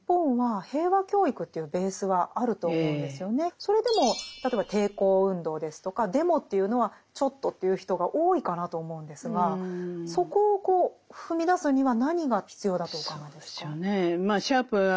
それでも例えば抵抗運動ですとかデモというのはちょっとという人が多いかなと思うんですがそこを踏み出すには何が必要だとお考えですか？